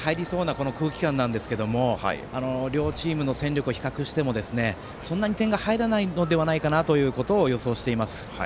この空気感なんですが両チームの戦力を比較してもそんなに点が入らないのではないかなということを予想しています。